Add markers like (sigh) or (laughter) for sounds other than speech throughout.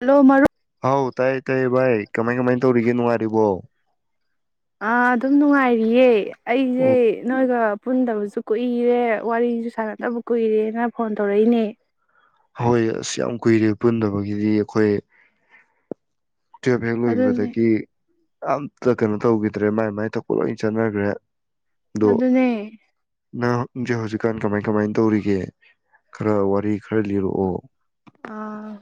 hello ꯃꯔꯨꯞ ꯍꯥꯎ ꯇꯥꯏꯌꯦ ꯇꯥꯏꯌꯦ ꯚꯥꯏ ꯀꯃꯥꯏ ꯀꯃꯥꯏ ꯇꯧꯔꯤꯒꯦ ꯅꯨꯡꯉꯥꯏꯔꯤꯕꯣ ꯑ ꯑꯗꯨꯝ ꯅꯨꯡꯉꯥꯏꯔꯤꯌꯦ ꯑꯩꯁꯦ ꯑꯣ ꯅꯣꯏꯒ ꯄꯨꯟꯗꯕꯁꯨ ꯀꯨꯏꯔꯦ ꯋꯥꯔꯤꯁꯨ ꯁꯥꯟꯅꯗꯕ ꯀꯨꯏꯔꯦꯅ ꯐꯣꯟ ꯇꯧꯔꯛꯏꯅꯦ ꯍꯣꯏ ꯑꯁ ꯌꯥꯝ ꯀꯨꯏꯔꯦ ꯄꯨꯟꯗꯕꯒꯤꯗꯤ ꯑꯩꯈꯣꯏ ꯇꯨꯜꯋꯦꯞ ꯍꯦꯛ ꯑꯗꯨꯅꯦ ꯂꯣꯏꯒꯤꯕꯗꯒꯤ ꯑꯝꯇꯥ ꯀꯩꯅꯣ ꯇꯧꯈꯤꯗ꯭ꯔꯦ ꯃꯥꯏ ꯃꯥꯏ ꯊꯛꯄ ꯂꯣꯏ ꯆꯠꯅꯈ꯭ꯔꯦ ꯑꯗꯨꯅꯦ ꯅꯪ ꯅꯪꯁꯦ ꯍꯧꯖꯤꯛꯀꯥꯟ ꯀꯃꯥꯏ ꯀꯃꯥꯏ ꯇꯧꯔꯤꯒꯦ ꯈꯔ ꯋꯥꯔꯤ ꯈꯔ ꯂꯤꯔꯛꯑꯣ ꯑ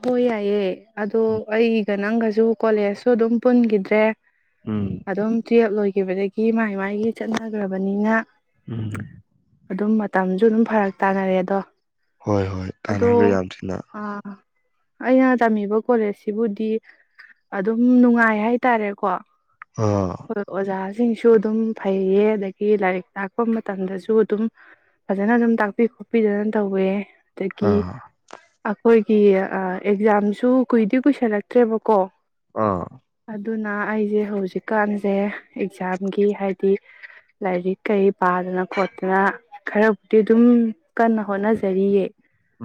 ꯍꯣꯏ ꯌꯥꯏꯌꯦ ꯑꯗꯣ ꯑꯩꯒ ꯅꯪꯒꯁꯨ ꯀꯣꯂꯦꯖꯁꯨ ꯑꯗꯨꯝ ꯄꯨꯟꯈꯤꯗ꯭ꯔꯦ ꯎꯝ ꯑꯗꯨꯝ ꯇꯨꯜꯋꯦꯞ ꯂꯣꯏ ꯍꯧꯈꯤꯕꯗꯒꯤ ꯃꯥꯏ ꯃꯥꯏꯒꯤ ꯆꯠꯅꯈ꯭ꯔꯕꯅꯤꯅ ꯎꯝ ꯑꯗꯨꯝ ꯃꯇꯝꯁꯨ ꯑꯗꯨꯝ ꯐꯔꯛ ꯇꯥꯅꯔꯦ ꯑꯗꯣ ꯍꯣꯏ ꯍꯣꯏ ꯑꯗꯣ ꯇꯥꯟꯅꯈ꯭ꯔꯦ ꯌꯥꯝ ꯊꯤꯅ ꯑꯩꯅ ꯇꯝꯃꯤꯕ ꯀꯣꯂꯦꯖꯁꯤꯕꯨꯗꯤ ꯑꯗꯨꯝ ꯅꯨꯡꯉꯥꯏ ꯍꯥꯏꯇꯥꯔꯦꯀꯣ ꯑꯥ ꯍꯣꯏ ꯑꯣꯖꯥ ꯃꯤꯁꯨ ꯑꯗꯨꯝ ꯐꯩꯌꯦ ꯑꯗꯒꯤ ꯂꯥꯏꯔꯤꯛ ꯇꯥꯛꯄ ꯃꯇꯝꯗꯁꯨ ꯑꯗꯨꯝ ꯐꯖꯅ ꯑꯗꯨꯝ ꯇꯥꯛꯄꯤ ꯈꯣꯠꯄꯤꯗꯅ ꯇꯧꯋꯦ ꯗꯒꯤ ꯑꯥ ꯑꯩꯈꯣꯏꯒꯤ ꯑꯦꯛꯖꯥꯝꯁꯨ ꯀꯨꯏꯗꯤ ꯀꯨꯏꯁꯜꯂꯛꯇ꯭ꯔꯦꯕ ꯀꯣ ꯑꯥ ꯑꯗꯨꯅ ꯑꯩꯁꯦ ꯍꯧꯖꯤꯛꯀꯥꯟꯁꯦ ꯑꯦꯛꯖꯥꯝꯒꯤ ꯍꯥꯏꯗꯤ ꯂꯥꯏꯔꯤꯛ ꯀꯩ ꯄꯥꯗꯅ ꯈꯣꯠꯇꯅ ꯈꯔꯕꯨꯗꯤ ꯑꯗꯨꯝ ꯀꯟꯅ ꯍꯣꯠꯅꯖꯔꯤꯌꯦ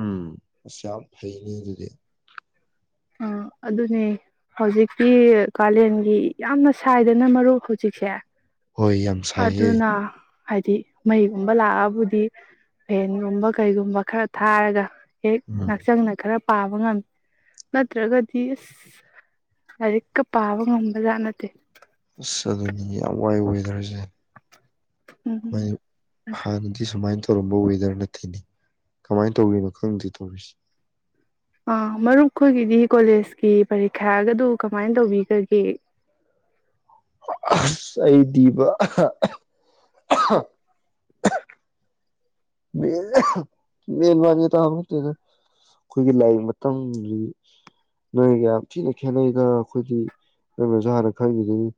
ꯎꯝ ꯑꯁ ꯌꯥꯝ ꯐꯩꯅꯦ ꯑꯗꯨꯗꯤ ꯑꯥ ꯑꯗꯨꯅꯦ ꯍꯧꯖꯤꯛꯇꯤ ꯀꯥꯂꯦꯟꯒꯤ ꯌꯥꯝꯅ ꯁꯥꯏꯗꯅ ꯃꯔꯨꯞ ꯍꯧꯖꯤꯛꯁꯦ ꯍꯣꯏ ꯌꯥꯝ ꯁꯥꯏꯌꯦ ꯑꯗꯨꯅ ꯍꯥꯏꯗꯤ ꯃꯩꯒꯨꯝꯕ ꯂꯥꯛꯑꯕꯨꯗꯤ ꯐꯦꯟꯒꯨꯝꯕ ꯀꯩꯒꯨꯝꯕ ꯈꯔ ꯊꯥꯔꯒ ꯍꯦꯛ ꯎꯝ ꯉꯛꯁꯪꯅ ꯈꯔ ꯄꯥꯕ ꯉꯝ ꯅꯠꯇ꯭ꯔꯒꯗꯤ ꯑꯁ ꯂꯥꯏꯔꯤꯛꯀ ꯄꯥꯕ ꯉꯝꯕꯖꯥꯠ ꯅꯠꯇꯦ ꯑꯁ ꯑꯗꯨꯅꯤ ꯌꯥꯝ ꯋꯥꯏ ꯋꯦꯗꯔꯁꯦ ꯎꯝ ꯍꯣꯏ ꯍꯥꯟꯅꯗꯤ ꯁꯨꯃꯥꯏꯅ ꯇꯧꯔꯝꯕ ꯋꯦꯗꯔ ꯅꯠꯇꯦꯅꯦ ꯀꯃꯥꯏꯅ ꯇꯧꯔꯤꯅꯣ ꯈꯪꯗꯦ ꯇꯧꯔꯤꯁꯦ ꯑꯥ ꯃꯔꯨꯞ ꯑꯩꯈꯣꯏꯒꯤꯗꯤ ꯀꯣꯂꯦꯖꯀꯤ ꯄꯔꯤꯈ꯭ꯌꯥꯒꯗꯨ ꯀꯃꯥꯏꯅ ꯇꯧꯕꯤꯈ꯭ꯔꯒꯦ ꯑꯁ ꯑꯩꯗꯤꯕ ꯃꯦꯟꯃꯥꯔꯒꯤ ꯇꯥꯕ ꯅꯠꯇꯦꯗ ꯑꯩꯈꯣꯏꯒꯤ ꯂꯥꯏꯔꯤꯛ ꯃꯇꯝꯁꯤ ꯅꯣꯏꯒ ꯌꯥꯝ ꯊꯤꯅ ꯈꯦꯠꯅꯩꯅ ꯑꯩꯈꯣꯏꯗꯤ ꯅꯣꯏ ꯅꯖꯨ ꯍꯥꯟꯅ ꯈꯪꯉꯤꯗꯨꯅꯤ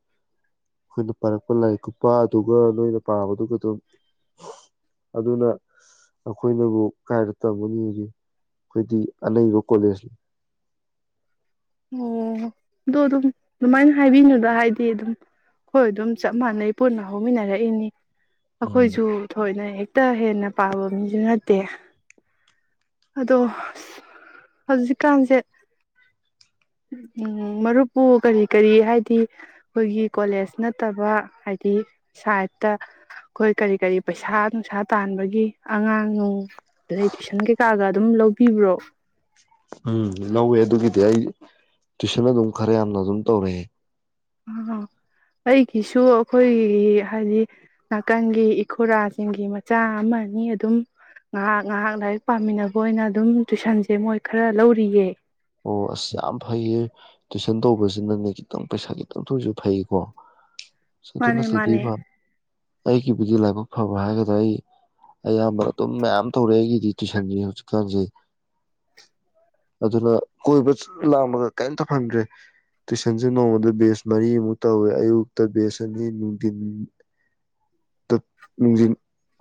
ꯑꯩꯈꯣꯏꯅ ꯄꯥꯔꯛꯄ ꯂꯥꯏꯔꯤꯛ ꯀꯨꯞꯄ ꯑꯗꯨꯒ ꯅꯣꯏꯅ ꯄꯥꯕꯗꯨꯒ ꯑꯗꯨꯝ ꯑꯗꯨꯅ ꯑꯩꯈꯣꯏꯅꯕꯨ ꯀꯥꯏꯅ ꯇꯝꯒꯅꯤꯗꯤ ꯑꯩꯈꯣꯏꯗꯤ ꯑꯅꯩꯕ ꯀꯣꯂꯦꯖꯅꯤ ꯑꯣ ꯑꯗꯣ ꯑꯗꯨꯝ ꯑꯗꯨꯃꯥꯏꯅ ꯍꯥꯏꯕꯤꯅꯨꯗ ꯍꯥꯏꯗꯤ ꯑꯗꯨꯝ ꯍꯣꯏ ꯑꯗꯨꯝ ꯆꯞ ꯃꯥꯟꯅꯩ ꯄꯨꯟꯅ ꯍꯧꯃꯤꯟꯅꯔꯛꯏꯅꯤ ꯎꯝ ꯑꯩꯈꯣꯏꯁꯨ ꯊꯣꯏꯅ ꯍꯦꯛ ꯇ ꯍꯦꯟꯅ ꯄꯥꯕ ꯃꯤꯁꯨ ꯅꯠꯇꯦ ꯑꯗꯣ ꯍꯧꯖꯤꯛꯀꯥꯟꯁꯦ ꯎꯝ ꯃꯔꯨꯞꯄꯨ ꯀꯔꯤ ꯀꯔꯤ ꯍꯥꯏꯗꯤ ꯑꯩꯈꯣꯏꯒꯤ ꯀꯣꯂꯦꯖ ꯅꯠꯇꯕ ꯍꯥꯏꯗꯤ ꯁꯥꯏꯠꯇ ꯑꯩꯈꯣꯏ ꯀꯔꯤ ꯀꯔꯤ ꯄꯩꯁꯥ ꯅꯨꯡꯁꯥ ꯇꯥꯟꯕꯒꯤ ꯑꯉꯥꯡ ꯅꯨꯡ ꯑꯗꯩ ꯇꯨꯏꯁꯟ ꯀꯩꯀꯥꯒ ꯑꯗꯨꯝ ꯂꯧꯕꯤꯕ꯭ꯔꯣ ꯎꯝ ꯂꯧꯋꯦ ꯑꯗꯨꯒꯤꯗꯤ ꯑꯩ ꯇꯨꯏꯁꯟ ꯑꯗꯨꯝ ꯈꯔ ꯌꯥꯝꯅ ꯑꯗꯨꯝ ꯇꯧꯔꯛꯑꯦ ꯑ ꯑꯩꯒꯤꯁꯨ ꯑꯩꯈꯣꯏꯒꯤ ꯍꯥꯏꯗꯤ ꯅꯥꯀꯟꯒꯤ ꯏꯈꯨꯔꯥꯁꯤꯡꯒꯤ ꯃꯆꯥ ꯑꯃꯅꯤ ꯑꯗꯨꯝ ꯉꯥꯏꯍꯥꯛ ꯉꯥꯏꯍꯥꯛ ꯂꯥꯏꯔꯤꯛ ꯄꯥꯝꯃꯤꯟꯅꯕ ꯑꯣꯏꯅ ꯑꯗꯨꯝ ꯇꯨꯏꯁꯟꯁꯦ ꯃꯣꯏ ꯈꯔ ꯂꯧꯔꯤꯌꯦ ꯑꯣ ꯑꯁ ꯌꯥꯝ ꯐꯩꯌꯦ ꯇꯨꯏꯁꯟ ꯇꯧꯕꯁꯤꯅꯪꯅꯦ ꯈꯤꯇꯪ ꯄꯩꯁꯥ ꯈꯤꯇꯪ ꯊꯣꯏꯁꯨ ꯐꯩꯀꯣ ꯁꯤꯗꯅ ꯃꯥꯅꯦ ꯃꯥꯅꯦ ꯁꯗꯤꯕꯥ ꯑꯩꯒꯤꯕꯨꯗꯤ ꯂꯥꯏꯕꯛ ꯐꯕ ꯍꯥꯏꯒꯗ꯭ꯔꯥ ꯑꯩ ꯑꯌꯥꯝꯕ ꯑꯗꯨꯝ ꯃꯌꯥꯝ ꯇꯧꯔꯦ ꯑꯩꯒꯤꯗꯤ ꯇꯨꯏꯁꯟꯖꯦ ꯍꯧꯖꯤꯛꯀꯥꯟꯖꯦ ꯑꯗꯨꯅ ꯀꯣꯏꯕ ꯆꯠ ꯂꯥꯡꯕꯒ ꯀꯩꯝꯇ ꯐꯪꯗ꯭ꯔꯦ ꯇꯨꯏꯁꯟꯖꯦ ꯅꯣꯡꯃꯗ ꯕꯦꯁ ꯃꯔꯤꯃꯨꯛ ꯇꯧꯋꯦ ꯑꯌꯨꯛꯇ ꯕꯦꯁ ꯑꯅꯤ ꯅꯨꯡꯗꯤꯟ ꯗ ꯅꯨꯡꯗꯤꯟ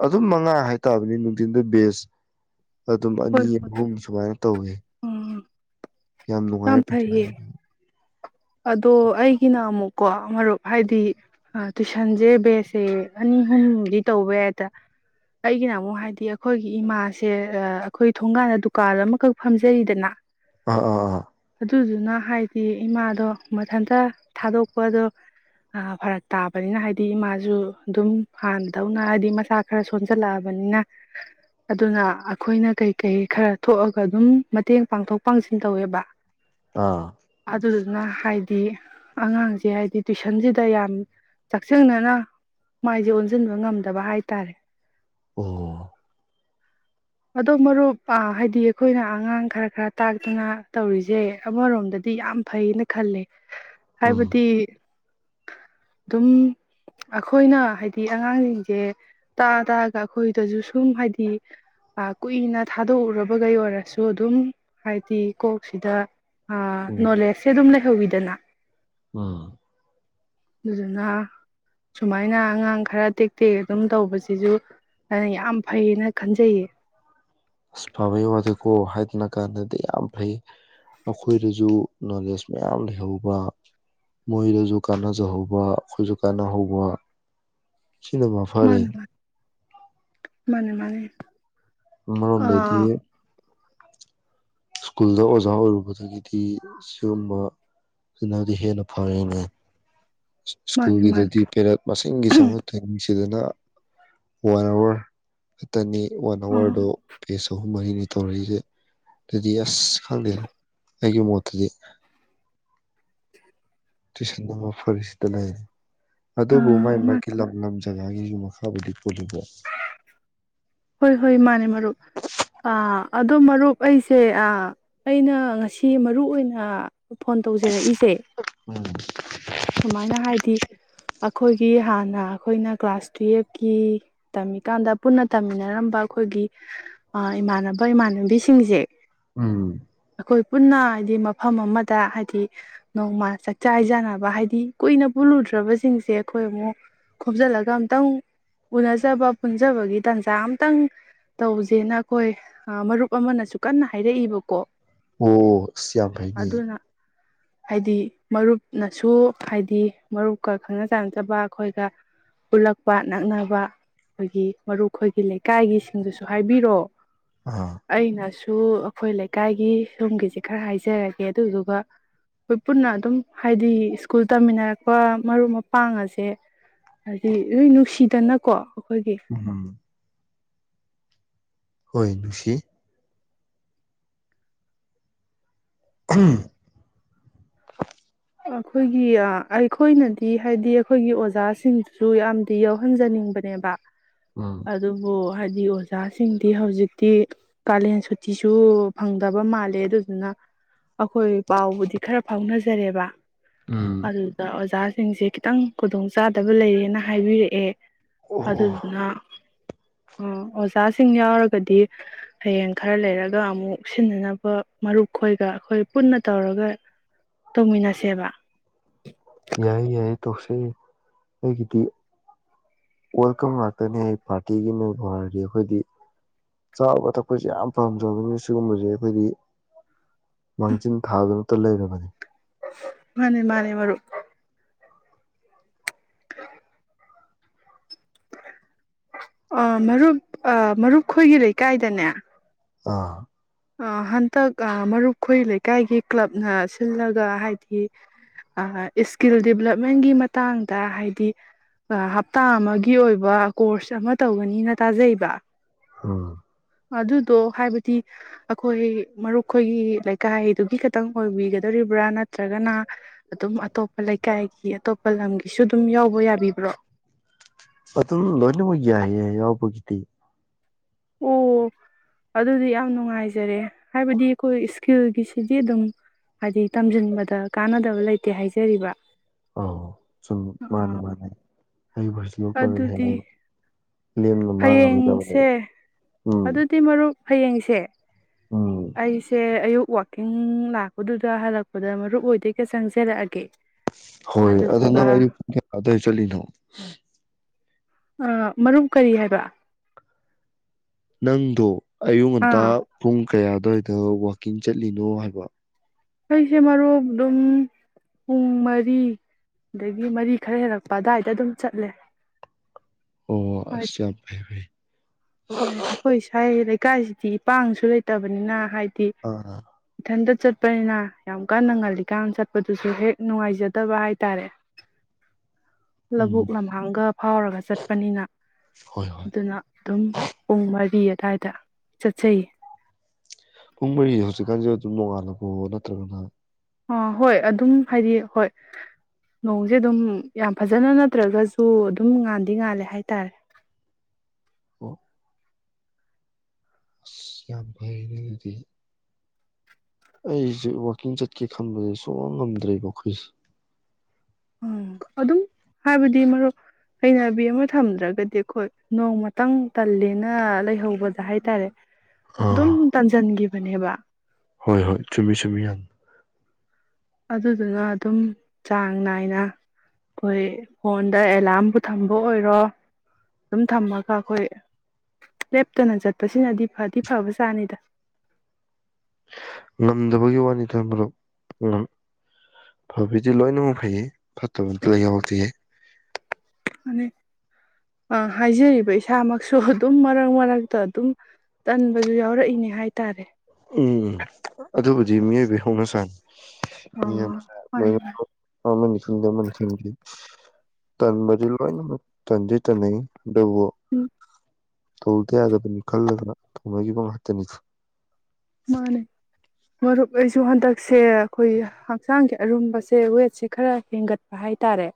ꯑꯗꯨꯝ ꯃꯉꯥ ꯍꯥꯏꯇꯕꯅꯤ ꯅꯨꯡꯗꯤꯟꯗ ꯕꯦꯖ ꯑꯗꯨꯝ ꯑꯅꯤ ꯍꯣꯏ ꯑꯍꯨꯝ ꯁꯨꯃꯥꯏꯅ ꯇꯧꯏ ꯎꯝ ꯌꯥꯝ ꯅꯨꯡꯉꯥꯏꯔꯦ ꯄꯩꯁꯥ ꯑꯗꯣ ꯑꯩꯒꯤꯅ ꯑꯃꯨꯛ ꯀꯣ ꯃꯔꯨꯞ ꯍꯥꯏꯗꯤ ꯑ ꯇꯨꯏꯁꯟꯖꯦ ꯕꯦꯁꯁꯦ ꯑꯅꯤ ꯑꯍꯨꯝꯗꯤ ꯇꯧꯕ ꯌꯥꯏꯗ ꯑꯩꯒꯤꯅ ꯑꯃꯨꯛ ꯍꯥꯏꯗꯤ ꯑꯈꯣꯏꯒꯤ ꯏꯃꯥꯁꯦ ꯑꯩꯈꯣꯏ ꯊꯣꯡꯒꯥꯟꯗ ꯗꯨꯀꯥꯟ ꯑꯃꯈꯛ ꯐꯝꯖꯩꯗꯅ ꯑ ꯑꯥ ꯑꯥ ꯑꯗꯨꯗꯨꯅ ꯍꯥꯏꯗꯤ ꯏꯃꯥ ꯗꯣ ꯃꯊꯟꯇ ꯊꯥꯗꯣꯛꯄꯗꯣ ꯐꯔꯛ ꯇꯥꯕꯅꯤꯅ ꯍꯥꯏꯗꯤ ꯏꯃꯥꯖꯨ ꯑꯗꯨꯝ ꯍꯥꯟꯅꯗꯧꯅ ꯍꯥꯏꯗꯤ ꯃꯆꯥ ꯈꯔ ꯁꯣꯟꯖꯜꯂꯛꯑꯕꯅꯤꯅ ꯑꯗꯨꯅ ꯑꯈꯣꯏꯅ ꯀꯩꯀꯩ ꯈꯔ ꯊꯣꯛꯑꯒ ꯑꯗꯨꯝ ꯃꯇꯦꯡ ꯄꯥꯡꯊꯣꯛ ꯄꯥꯡꯁꯤꯟ ꯇꯧꯋꯦꯕ ꯑꯥ ꯑꯗꯨꯗꯨꯅ ꯍꯥꯏꯗꯤ ꯑꯉꯥꯡꯖꯦ ꯍꯥꯏꯗꯤ ꯇꯨꯏꯁꯟꯖꯤꯗ ꯌꯥꯝ ꯆꯥꯛꯆꯤꯡꯅꯅ ꯃꯥꯏꯖꯦ ꯑꯣꯟꯖꯤꯟꯕ ꯉꯝꯗꯕ ꯍꯥꯏꯇꯥꯔꯦ ꯑꯣ ꯑꯗꯣ ꯃꯔꯨꯞ ꯑꯥ ꯍꯥꯏꯗꯤ ꯑꯩꯈꯣꯏꯅ ꯑꯉꯥꯡ ꯈꯔ ꯈꯔ ꯇꯥꯛꯇꯅ ꯇꯧꯔꯤꯖꯦ ꯑꯃꯔꯣꯝꯗꯗꯤ ꯌꯥꯝ ꯐꯩꯅ ꯈꯜꯂꯤ ꯎꯝ ꯍꯥꯏꯕꯗꯤ ꯑꯗꯨꯝ ꯑꯈꯣꯏꯅ ꯍꯥꯏꯗꯤ ꯑꯉꯥꯡꯖꯤꯡꯖꯦ ꯇꯥ ꯇꯥꯛꯑꯒ ꯑꯩꯈꯣꯏꯗꯖꯨ ꯁꯨꯝ ꯍꯥꯏꯗꯤ ꯑ ꯀꯨꯏꯅ ꯊꯥꯗꯣꯛꯎꯔꯕꯒꯩ ꯑꯣꯏꯔꯖꯨ ꯑꯗꯨꯝ ꯍꯥꯏꯗꯤ ꯀꯣꯛꯁꯤꯗ ꯑ ꯎꯝ ꯅꯣꯂꯦꯖꯁꯦ ꯑꯗꯨꯝ ꯂꯩꯍꯧꯏ ꯇꯅꯥ ꯎꯝ ꯑꯗꯨꯗꯨꯅ ꯁꯨꯃꯥꯏꯅ ꯑꯉꯥꯡ ꯈꯔ ꯇꯦꯛ ꯇꯦꯛ ꯑꯗꯨꯝ ꯇꯧꯕꯖꯤꯖꯨ ꯑꯩꯅ ꯌꯥꯝ ꯐꯩꯌꯦꯅ ꯈꯟꯖꯩꯌꯦ ꯑꯁ ꯐꯕꯩ ꯋꯥꯗꯤꯀꯣ ꯍꯥꯏꯗꯅ ꯀꯥꯟꯅꯗꯦ ꯌꯥꯝ ꯐꯩ ꯑꯈꯣꯏꯗꯖꯨ ꯅꯣꯂꯦꯖ ꯃꯌꯥꯝ ꯂꯩꯍꯧꯕ ꯃꯣꯏꯗꯖꯨ ꯀꯥꯟꯅꯖꯍꯧꯕ ꯑꯈꯣꯏꯖꯨ ꯀꯥꯟꯅꯍꯧꯕ ꯁꯤꯅ ꯃꯐꯔꯦ ꯃꯥꯟꯅꯤ ꯃꯥꯟꯅꯤ ꯑꯃꯔꯣꯝꯗꯗꯤ ꯁ꯭ꯀꯨꯜꯗ ꯑꯣꯖꯥ ꯑꯣꯏꯕꯕꯨꯗꯒꯤꯗꯤ ꯁꯤꯎꯝꯕ ꯁꯤꯅꯗꯤ ꯍꯦꯟꯅ ꯐꯔꯦꯅꯦ ꯃꯥꯅꯦ ꯃꯥꯅꯦ ꯁ꯭ꯀꯨꯜꯒꯤꯗꯗꯤ ꯄꯦꯔꯦꯗ ꯃꯁꯤꯡꯒꯤ ꯆꯪꯉꯛꯇꯣꯏꯅꯤ ꯁꯤꯗꯅ ꯋꯥꯟ ꯑꯋꯥꯔ ꯇꯅꯤ ꯋꯥꯟ ꯑꯥ ꯑꯋꯥꯔꯗꯣ ꯄꯦꯁꯣ ꯃꯔꯤꯅꯤ ꯇꯧꯔꯛꯏꯖꯦ ꯑꯩꯗꯤ ꯑꯁ ꯈꯪꯗꯦ ꯑꯩꯒꯤ ꯃꯣꯠꯇꯗꯤ ꯇꯨꯏꯁꯟꯅ ꯃꯐꯔꯦꯁꯤꯗ ꯂꯩ ꯑꯗꯨꯕꯨ ꯑꯥ ꯃꯥꯏ ꯃꯥꯅꯦ ꯃꯥꯒꯤ ꯂꯝ ꯂꯝꯖꯦ ꯖꯒꯥꯒꯤꯖꯨ ꯃꯈꯥꯕꯨꯗꯤ ꯄꯣꯜꯂꯤꯕꯣ ꯍꯣꯏ ꯍꯣꯏ ꯃꯥꯟꯅꯦ ꯃꯔꯨꯞ ꯑꯥ ꯑꯗꯣ ꯃꯔꯨꯞ ꯑꯩꯁꯦ ꯑꯥ ꯑꯩꯅ ꯉꯁꯤ ꯃꯔꯨ ꯑꯣꯏꯅ ꯐꯣꯟ ꯇꯧꯖꯔꯛꯏꯁꯦ ꯎꯝ ꯁꯨꯃꯥꯏꯅ ꯍꯥꯏꯗꯤ ꯑꯈꯣꯏꯒꯤ ꯍꯥꯟꯅ ꯑꯈꯣꯏꯅ ꯀ꯭ꯂꯥꯁ ꯇꯨꯌꯦꯐꯀꯤ ꯇꯝꯃꯤꯀꯥꯟꯗ ꯄꯨꯟꯅ ꯇꯝꯃꯤꯟꯅꯔꯝꯕ ꯑꯩꯈꯣꯏꯒꯤ ꯏꯃꯥꯟꯅꯕ ꯏꯃꯥꯟꯅꯕꯤꯁꯤꯡꯁꯦ ꯎꯝ ꯑꯩꯈꯣꯏ ꯄꯨꯟꯅ ꯍꯥꯏꯗꯤ ꯃꯐꯝ ꯑꯃꯗ ꯍꯥꯏꯗꯤ ꯅꯣꯡꯃ ꯆꯥꯛꯆꯥ ꯍꯩꯖꯥꯅꯕ ꯍꯥꯏꯗꯤ ꯀꯨꯏꯅ ꯄꯨꯜꯂꯨꯗ꯭ꯔꯕꯁꯤꯡꯁꯦ ꯑꯩꯈꯣꯏ ꯑꯃꯨꯛ ꯈꯣꯝꯖꯤꯜꯂꯒ ꯑꯝꯇꯪ ꯎꯅꯖꯕ ꯄꯨꯟꯖꯕꯒꯤ ꯇꯟꯖꯥ ꯑꯝꯇꯪ ꯇꯧꯁꯦꯅ ꯑꯈꯣꯏ ꯃꯔꯨꯞ ꯑꯃꯅꯁꯨ ꯀꯟꯅ ꯍꯥꯏꯔꯛꯏꯕꯀꯣ ꯑꯣ ꯌꯥꯝ ꯐꯩꯅꯤ ꯑꯗꯨꯅ ꯍꯥꯏꯗꯤ ꯃꯔꯨꯞꯅꯁꯨ ꯍꯥꯏꯗꯤ ꯃꯔꯨꯞꯀ ꯈꯪꯅ ꯆꯥꯟꯅꯖꯕ ꯑꯩꯈꯣꯏꯒ ꯎꯜꯂꯛꯄ ꯅꯛꯅꯕ ꯑꯩꯈꯣꯏꯒꯤ ꯃꯔꯨꯞ ꯑꯈꯣꯏꯒꯤ ꯂꯩꯀꯥꯏꯒꯤꯁꯤꯡꯗꯨꯁꯨ ꯍꯥꯏꯕꯤꯔꯣ ꯑꯥ ꯑꯩꯅꯁ ꯑꯗꯨ ꯑꯩꯈꯣꯏ ꯂꯩꯀꯥꯏꯒꯤ ꯁꯣꯝꯒꯤꯁꯦ ꯈꯔ ꯍꯥꯏꯖꯔꯒꯦ ꯑꯗꯨꯗꯨꯒ ꯑꯩꯈꯣꯏ ꯄꯨꯟꯅ ꯑꯗꯨꯝ ꯍꯥꯏꯗꯤ ꯁ꯭ꯀꯨꯜ ꯇꯝꯃꯤꯟꯅꯔꯛꯄ ꯃꯔꯨꯞ ꯃꯄꯥꯡ ꯑꯁꯦ ꯍꯥꯏꯗꯤ ꯂꯣꯏ ꯅꯨꯡꯁꯤꯗꯅꯀꯣ ꯑꯩꯈꯣꯏꯒꯤ ꯎꯝ ꯍꯣꯏ ꯅꯨꯡꯁꯤ ꯎꯝ ꯑꯈꯣꯏꯒꯤ ꯑꯩꯈꯣꯏꯅꯗꯤ ꯍꯥꯏꯗꯤ ꯑꯈꯣꯏꯒꯤ ꯑꯣꯖꯥꯁꯤꯡꯗꯨꯁꯨ ꯌꯥꯝꯗꯤ ꯌꯥꯎꯍꯟꯖꯅꯤꯡꯕꯅꯦꯕ ꯎꯝ ꯑꯗꯨꯕꯨ ꯍꯥꯏꯗꯤ ꯑꯣꯖꯥꯁꯤꯡꯗꯤ ꯍꯧꯖꯤꯛꯇꯤ ꯀꯥꯂꯦꯟ ꯁꯨꯇꯤꯁꯨ ꯐꯪꯗꯕ ꯃꯥꯜꯂꯦ ꯑꯗꯨꯗꯨꯅ ꯑꯩꯈꯣꯏ ꯄꯥꯎꯕꯨꯗꯤ ꯈꯔ ꯐꯥꯎꯅꯖꯔꯦꯕ ꯑꯣ ꯑꯗꯨꯗ ꯑꯣꯖꯥ ꯁꯤꯡꯁꯦ ꯈꯤꯇꯪ ꯈꯨꯗꯣꯡ ꯆꯥꯗꯕ ꯂꯩꯔꯦꯅ ꯍꯥꯏꯕꯤꯔꯛꯑꯦ ꯑꯣ ꯑꯗꯨꯗꯨꯅ ꯎꯝ ꯑꯣꯖꯆꯥꯁꯤꯡ ꯌꯥꯎꯔꯒꯗꯤ ꯍꯌꯦꯡ ꯈꯔ ꯂꯩꯔꯒ ꯑꯃꯨꯛ ꯁꯤꯟꯅꯅꯕ ꯃꯔꯨꯞ ꯈꯣꯏꯒ ꯑꯩꯈꯣꯏ ꯄꯨꯟꯅ ꯇꯧꯔꯒ ꯇꯧꯃꯤꯟꯅꯁ ꯁꯦꯕ ꯌꯥꯏꯌꯦ ꯌꯥꯏꯌꯦ ꯇꯧꯆꯩ ꯑꯩꯒꯤꯗꯤ ꯋꯦꯜꯀꯝ ꯉꯥꯛꯇꯅꯦ ꯄꯥꯔꯇꯤꯒꯤꯅꯦ ꯍꯥꯏꯔꯗꯤ ꯑꯩꯈꯣꯏꯗꯤ ꯆꯥꯕ ꯊꯛꯄꯁꯦ ꯌꯥꯝ ꯄꯥꯝꯖꯕꯅꯤ ꯁꯤꯒꯨꯝꯕꯁꯦ ꯑꯩꯈꯣꯏꯗꯤ ꯃꯥꯡꯖꯤꯜ ꯊꯥꯗꯨꯅ ꯇ ꯂꯩꯔꯕꯅꯦ ꯃꯥꯅꯦ ꯃꯥꯅꯦ ꯃꯔꯨꯝ ꯑ ꯃꯔꯨꯞ ꯑꯥ ꯃꯔꯨꯞ ꯈꯣꯏꯒꯤ ꯂꯩꯀꯥꯏꯗꯅꯦ ꯑꯥ ꯍꯟꯗꯛ ꯃꯔꯨꯞꯈꯣꯏ ꯂꯩꯀꯥꯏꯒꯤ ꯀ꯭ꯂꯕꯅ ꯁꯤꯜꯂꯒ ꯍꯥꯏꯗꯤ ꯑꯥ ꯏꯁꯀꯤꯜ ꯗꯤꯕꯂꯞꯃꯦꯟꯒꯤ ꯃꯇꯥꯡꯗ ꯍꯥꯏꯗꯤ ꯍꯞꯇꯥ ꯑꯃꯒꯤ ꯑꯣꯏꯕ ꯀꯣꯔꯁ ꯑꯃ ꯇꯧꯒꯅꯤꯅ ꯇꯥꯖꯩꯕ ꯑꯥ ꯑꯗꯨꯗꯣ ꯍꯥꯏꯕꯗꯤ ꯑꯩꯈꯣꯏ ꯃꯔꯨꯞꯈꯣꯏꯒꯤ ꯂꯩꯀꯥꯏꯗꯨꯒꯤ ꯈꯇꯪ ꯑꯣꯏꯕꯤꯒꯗꯣꯔꯤꯕ꯭ꯔꯥ ꯅꯠꯇ꯭ꯔꯒꯅ ꯑꯗꯨꯝ ꯑꯇꯣꯞꯄ ꯂꯩꯀꯥꯏꯒꯤ ꯑꯇꯣꯞꯄ ꯂꯝꯒꯤꯁꯨ ꯑꯗꯨꯝ ꯌꯥꯎꯕ ꯌꯥꯕꯤꯕ꯭ꯔꯣ ꯑꯗꯨꯝ ꯂꯣꯏꯅꯃꯛ ꯌꯥꯏꯌꯦ ꯌꯥꯎꯕꯒꯤꯗꯤ ꯑꯣ ꯑꯗꯨꯗꯤ ꯌꯥꯝ ꯅꯨꯡꯉꯥꯏꯖꯔꯦ ꯍꯥꯏꯕꯗꯤ ꯑꯩꯈꯣꯏ ꯏꯁꯀꯤꯜꯒꯤꯁꯤꯗꯤ ꯑꯗꯨꯝ ꯍꯥꯏꯗꯤ ꯇꯝꯖꯤꯟꯕꯗ ꯀꯥꯟꯅꯗꯕ ꯂꯩꯇꯦ ꯍꯥꯏꯖꯔꯤꯕ ꯑꯣ ꯆꯨꯝꯃ ꯃꯥꯅꯤ ꯃꯥꯅꯤ ꯍꯩꯕꯨ ꯍꯩꯖꯤꯟꯍꯧꯇꯥꯔꯒꯗꯤ ꯑꯗꯨꯗꯤ ꯍꯌꯦꯡꯋꯥꯏ ꯂꯦꯝꯅ ꯍꯌꯦꯡꯁꯦ ꯃꯥꯡꯉꯔꯣꯏꯗꯕꯅꯦꯕ ꯎꯝ ꯑꯗꯨꯗꯤ ꯃꯔꯨꯞ ꯍꯌꯦꯡꯁꯦ ꯎꯝ ꯑꯩꯁꯦ ꯑꯌꯨꯛ ꯋꯥꯛꯀꯤꯡ ꯂꯥꯛꯄꯗꯨꯗ ꯍꯜꯂꯛꯄꯗ ꯃꯔꯨꯞ ꯍꯣꯏꯗ ꯍꯦꯛꯇ ꯆꯪꯖꯔꯛꯑꯒꯦ ꯍꯣꯏ ꯑꯗꯣ ꯅꯪ ꯑꯗꯨꯗꯨꯒ ꯑꯌꯨꯛ ꯄꯨꯡ ꯀꯌꯥ ꯑꯗꯨꯋꯥꯏ ꯆꯠꯂꯤꯅꯣ ꯑ ꯃꯔꯨꯞ ꯀꯔꯤ ꯍꯥꯏꯕ ꯅꯪꯗꯣ ꯑꯌꯨꯛ ꯉꯟꯇꯥ ꯑꯥ ꯄꯨꯡ ꯀꯌꯥ ꯑꯗꯨꯋꯥꯏ ꯗꯣ ꯋꯥꯛꯀꯤꯡ ꯆꯠꯂꯤꯅꯣ ꯍꯥꯏꯕ ꯑꯩꯁꯦ ꯃꯔꯨꯞ ꯑꯗꯨꯝ ꯄꯨꯡ ꯃꯔꯤ ꯑꯗꯒꯤ ꯃꯔꯤ ꯈꯔ ꯍꯦꯜꯂꯛꯄ ꯗꯋꯥꯏꯗ ꯑꯗꯨꯝ ꯆꯠꯂꯦ ꯑꯣ ꯑꯁ ꯍꯥꯏꯗꯤ ꯌꯥꯝ ꯐꯩ ꯐꯩ ꯎꯝ ꯑꯩꯈꯣꯏ ꯁꯥꯏ ꯂꯩ ꯀꯥꯏꯁꯤꯗꯤ ꯏꯄꯥꯡꯁꯨ ꯂꯩꯇꯕꯅꯤꯅ ꯍꯥꯏ ꯗꯤ ꯑꯥ ꯏꯊꯟꯗ ꯆꯠ ꯄꯅꯤꯅ ꯌꯥꯝ ꯀꯟꯅ ꯉꯜꯂꯤꯀꯥꯟ ꯆꯠꯄꯗꯨꯁꯨ ꯍꯦꯛ ꯅꯨꯡꯉꯥꯏꯖꯗꯕ ꯍꯥꯏꯇꯥꯔꯦ ꯂꯧꯕꯨꯛ ꯎꯝ ꯂꯝꯍꯥꯡꯒ ꯐꯥꯎꯔꯒ ꯆꯠꯄꯅꯤꯅ ꯍꯣꯏ ꯍꯣꯏ ꯑꯗꯨꯅ ꯄꯨꯡ ꯃꯔꯤ ꯑꯗꯥꯢꯗ ꯆꯠꯆꯩꯌꯦ ꯄꯨꯡ ꯃꯔꯤꯗꯣ ꯍꯧꯖꯤꯛꯀꯥꯟꯖꯦ ꯑꯗꯨꯝ ꯅꯨꯡꯉꯥꯜꯂꯕꯣ ꯅꯠꯇ꯭ꯔꯒꯅ ꯑꯥ ꯍꯣꯏ ꯑꯗꯨꯝ ꯍꯥꯏꯗꯤ ꯍꯣꯏ ꯅꯣꯡꯁꯦ ꯑꯗꯨꯝ ꯌꯥꯝ ꯐꯖꯅ ꯅꯠꯇ꯭ꯔꯒꯁꯨ ꯑꯗꯨꯝ ꯉꯥꯟꯗꯤ ꯉꯥꯜꯂꯦ ꯍꯥꯏꯇꯥꯔꯦ ꯑꯣ ꯑꯁ ꯌꯥꯝ ꯐꯥꯅꯦ ꯑꯗꯨꯗꯤ ꯑꯩꯁꯦ ꯋꯥꯛꯀꯤꯡ ꯆꯠꯀꯦ ꯈꯟꯕꯁꯦ ꯁꯨꯡꯉꯝ ꯉꯝꯗ꯭ꯔꯦꯕ ꯑꯩꯈꯣꯏꯁꯦ ꯎꯝ ꯑꯗꯨꯝ ꯍꯥꯏꯕꯗꯤ ꯃꯔꯨꯞ ꯍꯩꯅꯕꯤ ꯑꯃ ꯊꯝꯗ꯭ꯔꯒꯗꯤ ꯑꯩꯈꯣꯏ ꯅꯣꯡꯃꯇꯪ ꯇꯜꯂꯦꯅ ꯂꯩꯍꯧꯕꯗ ꯍꯥꯏꯇꯥꯔꯦ ꯗꯨꯝ ꯑꯥ ꯇꯟꯖꯟꯒꯤ ꯃꯅꯦꯕ ꯍꯣꯏ ꯍꯣꯏ ꯆꯨꯃꯤ ꯆꯨꯃꯤ ꯌꯥꯝ ꯑꯗꯨꯗꯨꯅ ꯑꯗꯨꯝ ꯆꯥꯡ ꯅꯥꯏꯅ ꯑꯩꯈꯣꯏ ꯐꯣꯟꯗ ꯑꯦꯂꯥꯝꯕꯨ ꯊꯝꯕ ꯑꯣꯏꯔꯣ ꯑꯗꯨꯝ ꯊꯝꯃꯒ ꯑꯩꯈꯣꯏ ꯂꯦꯞꯇꯅ ꯆꯠꯄꯁꯤꯅꯗꯤ ꯐꯗꯤ ꯐꯕꯖꯥꯠꯅꯤꯗ ꯉꯝꯗꯕꯒꯤ ꯋꯥꯅꯤꯗ ꯃꯔꯨꯞ ꯑꯝ ꯐꯕꯗꯤ ꯂꯣꯏꯅꯃꯛ ꯐꯩꯌꯦ ꯐꯠꯇꯕ ꯑꯝꯇ ꯌꯥꯎꯗꯦ ꯃꯥꯅꯦ ꯑꯥ ꯍꯥꯏꯖꯔꯤꯕ ꯏꯁꯥꯃꯛꯁꯨ ꯑꯗꯨꯝ ꯃꯔꯛ ꯃꯔꯛꯇ ꯑꯗꯨꯝ ꯇꯟꯕꯁꯨ ꯌꯥꯎꯔꯛꯏꯅꯦ ꯍꯥꯏ ꯇꯥꯔꯦ ꯎꯝ ꯑꯗꯨꯕꯨꯗꯤ ꯃꯤꯑꯣꯏꯕꯩ ꯍꯧꯅꯁꯥꯅꯤ ꯑ ꯍꯣꯏ ꯌꯦꯟꯕꯅꯦ ꯍꯣꯏ (unintelligible) ꯑꯃꯅꯤ ꯈꯪꯗꯦ ꯑꯃꯅꯤ ꯈꯪꯗꯦ ꯇꯟꯕꯗꯤ ꯂꯣꯢꯅꯃꯛ ꯇꯟꯗꯤ ꯇꯟꯅꯩ ꯗꯨꯕꯨ ꯎꯝ ꯇꯧꯗ ꯌꯥꯗꯕꯅꯤ ꯈꯜꯂꯒꯅ ꯇꯧꯅꯈꯤꯕ ꯉꯥꯛꯇꯅꯤꯗ ꯃꯥꯅꯦ ꯃꯔꯨꯞ ꯑꯩꯁꯨ ꯍꯟꯗꯛꯁꯦ ꯑꯩꯈꯣꯏ ꯍꯛꯆꯥꯡꯁ ꯑꯔꯨꯝꯕꯁꯦ ꯋꯦꯠꯁꯦ ꯈꯔ ꯍꯦꯟꯒꯠꯄ ꯍꯥꯏꯇꯥꯔꯦ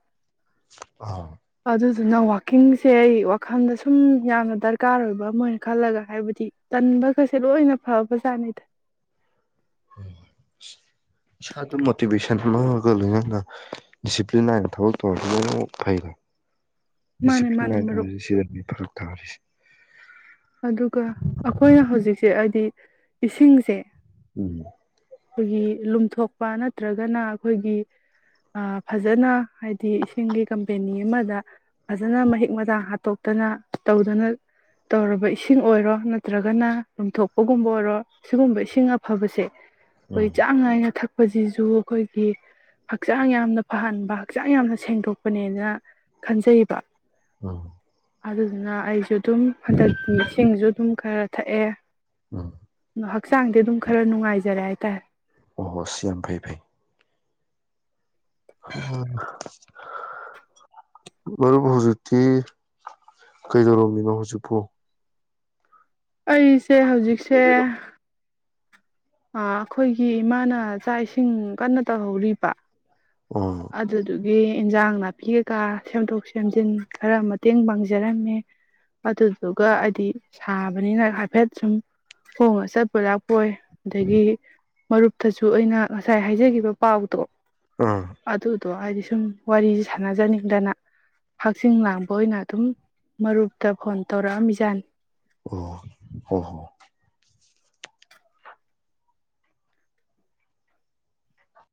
ꯑꯥ ꯑꯗꯨꯗꯨꯅ ꯋꯥꯛꯀꯤꯡꯁꯦ ꯑꯩ ꯋꯥꯈꯜꯗ ꯁꯨꯝ ꯌꯥꯝꯅ ꯗꯔꯀꯥꯔ ꯑꯣꯏꯕ ꯑꯃ ꯑꯣꯏꯅ ꯈꯜꯂꯒ ꯍꯥꯏꯕꯗꯤ ꯇꯟꯕꯒꯁꯦ ꯂꯣꯏꯅ ꯐꯕꯖꯥꯠꯅꯤꯗ (unintelligible) ꯏꯝꯄ꯭ꯔꯨꯞꯃꯦꯟ ꯒꯥ ꯂꯣꯏꯅꯅ ꯗꯤꯁꯤꯄ꯭ꯂꯤꯟ ꯅꯥꯏꯅ ꯊꯕꯛ ꯇꯧꯔꯗꯤ ꯂꯣꯏꯅꯃꯛ ꯐꯩꯅ ꯃꯥꯅꯦ ꯗꯤꯁꯤꯄ꯭ꯂꯤꯟ ꯃꯥꯅꯦ ꯃꯔꯨꯞ ꯅꯥꯢꯗꯕꯁꯤ ꯁꯤꯗꯅꯤ ꯐꯔꯛ ꯀꯥꯔꯤꯁꯤ ꯑꯗꯨꯒ ꯑꯩꯈꯣꯏꯅ ꯍꯧꯖꯤꯛꯁꯦ ꯍꯥꯏꯗꯤ ꯏꯁꯤꯡꯁꯦ ꯎꯝ ꯑꯩꯈꯣꯏꯒꯤ ꯂꯨꯝꯊꯣꯛꯄ ꯅꯠꯇ꯭ꯔꯒꯅ ꯑꯩꯈꯣꯏꯒꯤꯑꯥ ꯐꯖꯅ ꯍꯥꯏꯗꯤ ꯏꯁꯤꯡꯒꯤ ꯀꯝꯄꯦꯅꯤ ꯑꯃꯗ ꯐꯖꯅ ꯃꯍꯤꯛ ꯃꯇꯥꯡ ꯍꯥꯠꯇꯣꯛꯇꯅ ꯇꯧꯗꯅ ꯇꯧꯔꯕ ꯏꯁꯤꯡ ꯑꯣꯏꯔꯣ ꯅꯠꯇ꯭ꯔꯒꯅ ꯂꯨꯝꯊꯣꯛꯄꯒꯨꯝꯕ ꯑꯣꯏꯔꯣ ꯁꯤꯒꯨꯝꯕ ꯏꯁꯤꯡ ꯑꯐꯕꯁꯦ ꯑꯩꯈꯣꯏ ꯎꯝ ꯆꯥꯡ ꯅꯥꯏꯅ ꯊꯛ ꯍꯩꯖꯤꯖꯨ ꯑꯩꯈꯣꯏꯒꯤ ꯍꯛꯆꯥꯡ ꯌꯥꯝꯅ ꯐꯍꯟꯕ ꯍꯛꯆꯥꯡ ꯌꯥꯝꯅ ꯁꯦꯡꯗꯣꯛꯄꯅꯦꯅ ꯈꯟꯖꯩꯕ ꯎꯣ ꯑꯗꯨꯗꯨꯅ ꯑꯩꯁꯨ ꯑꯗꯨꯝ ꯍꯟꯗꯛꯇꯤ ꯏꯁꯤꯡꯁꯨ ꯑꯗꯨꯝ ꯈꯔ ꯊꯛꯑꯦ ꯎꯝ ꯑꯥ ꯍꯛꯆꯥꯡꯗꯤ ꯑꯗꯨꯝ ꯈꯔ ꯅꯨꯡꯉꯥꯏꯖꯔꯦ ꯍꯥꯏ ꯀ (inaudible) ꯑꯣꯍꯣ ꯁꯤ ꯌꯥꯝ ꯐꯩ ꯐꯩ ꯃꯔꯨꯞ ꯍꯧꯖꯤꯛꯇꯤ ꯀꯩꯗꯧꯔꯝꯃꯤꯅꯣ ꯍꯧꯖꯤꯛꯄꯨ ꯑꯩ ꯁꯦ ꯍꯧꯖꯤꯛꯁꯦ ꯑꯥ ꯑꯩꯈꯣꯏꯒꯤ ꯏꯃꯥꯅ ꯆꯥꯛ ꯏꯁꯤꯡ ꯀꯟꯅ ꯇꯧꯍꯧꯔꯤꯕ ꯑꯣ ꯑꯗꯨꯗꯨꯒꯤ ꯑꯒꯤ ꯏꯟꯁꯥꯡ ꯅꯥꯄꯤ ꯀꯩꯀꯥ ꯁꯦꯝꯗꯣꯛ ꯁꯦꯝꯖꯤꯟ ꯈꯔ ꯃꯇꯦꯡ ꯄꯥꯡꯖꯔꯝꯃꯦ ꯑꯗꯨꯗꯨꯒ ꯍꯥꯏꯗꯤ ꯁꯥꯕꯅꯤꯅ ꯍꯥꯏꯐꯦꯠ ꯁꯨꯝ ꯈꯣꯡꯅ ꯆꯠꯄꯣꯢ ꯂꯥꯛꯄꯣꯏ ꯑꯗꯒꯤ ꯃꯔꯨꯞꯇꯁꯨ ꯑꯩꯅ ꯉꯁꯥꯏ ꯍꯥꯏꯖꯈꯤꯕ ꯄꯥꯎꯗꯣ ꯑꯥ ꯑꯗꯨꯗꯣ ꯍꯥꯏꯗꯤ ꯁꯨꯝ ꯋꯥꯔꯤꯁꯦ ꯁꯥꯟꯅꯖꯅꯤꯡꯗꯅ ꯍꯛꯆꯤꯡ ꯂꯥꯡꯕ ꯑꯣꯏꯅ ꯑꯗꯨꯝ ꯃꯔꯨꯞꯇ ꯐꯣꯟ ꯇꯧꯔꯛꯑꯝꯃꯤꯖꯥꯅꯤ ꯑꯣ ꯍꯣ ꯍꯣ